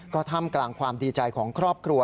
ก็ท่ามกลางความดีใจของครอบครัว